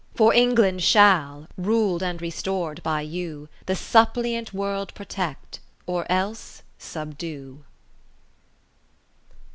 For England shall (rul'd and restor'd by You) The suppliant world protect, or else subdue.